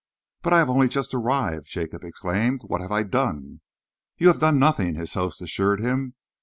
"But I have only just arrived!" Jacob exclaimed. "What have I done?" "You have done nothing," his host assured him.